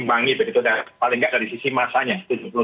paling tidak dari sisi masanya tujuh puluh tahun